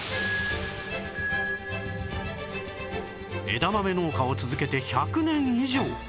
枝豆農家を続けて１００年以上！